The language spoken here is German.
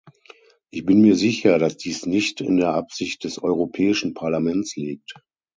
Ich bin mir sicher, dass dies nicht in der Absicht des Europäschen Parlaments liegt.